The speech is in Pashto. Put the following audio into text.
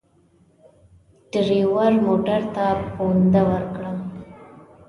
ډریور موټر ته پونده ورکړه.